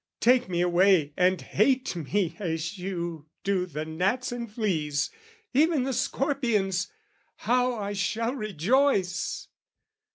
Take me away "'And hate me as you do the gnats and fleas, "'Even the scorpions! How I shall rejoice!'